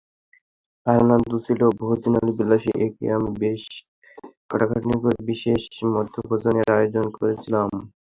Fernando ছিল ভোজনবিলাসী, ফলে আমি বেশ খাটাখাটনি করে বিশেষ মধ্যাহ্নভোজনের আয়োজন করেছিলাম।